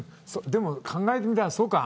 でも、考えてみたらそうか。